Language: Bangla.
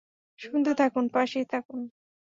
শুনতে থাকুন, পাশেই থাকুন!